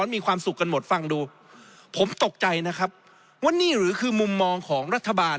มีความสุขกันหมดฟังดูผมตกใจนะครับว่านี่หรือคือมุมมองของรัฐบาล